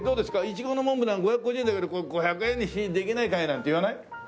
いちごのモンブラン５５０円だけどこれ５００円にできないかい？なんて言わない？